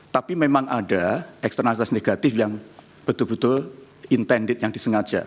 tapi memang ada eksternalitas negatif yang betul betul intended yang disengaja